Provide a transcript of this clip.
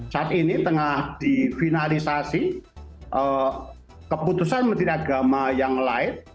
saat ini tengah difinalisasi keputusan menteri agama yang lain